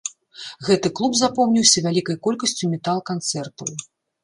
Гэты клуб запомніўся вялікай колькасць метал-канцэртаў.